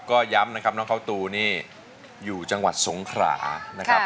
ก็ย้ำนะครับน้องเขาตูนี่อยู่จังหวัดสงขรานะครับ